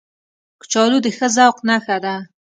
کچالو د ښه ذوق نښه ده